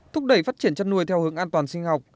thúc đẩy phát triển chăn nuôi theo hướng an toàn sinh học